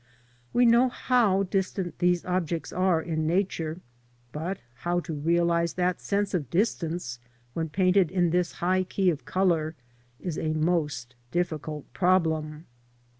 We know how distant these objects are in Nature, but how to realise that sense of distance when painted in this high key of colour is a most difficult problem.